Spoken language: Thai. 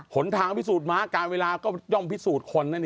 ข้นทางพิสูจน์มากการเวลาก็ยอมพิสูจน์คน